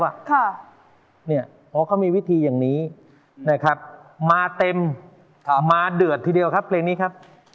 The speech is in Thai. เพราะเขามีวิธีอย่างนี้นะครับมาเต็มมาเดือดทีเดียวครับเพลงนี้ครับ